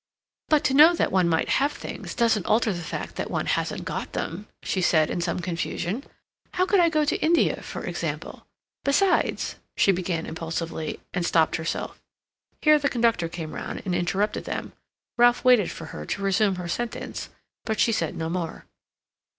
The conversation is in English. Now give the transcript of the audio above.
"But to know that one might have things doesn't alter the fact that one hasn't got them," she said, in some confusion. "How could I go to India, for example? Besides," she began impulsively, and stopped herself. Here the conductor came round, and interrupted them. Ralph waited for her to resume her sentence, but she said no more.